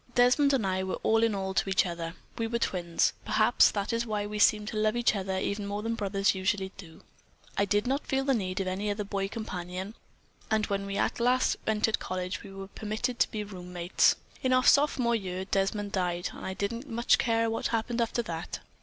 Desmond and I were all in all to each other. We were twins. Perhaps that was why we seemed to love each other even more than brothers usually do. I did not feel the need of any other boy companion, and when at last we entered college we were permitted to be roommates. In our Sophomore year, Desmond died, and I didn't much care what happened after that.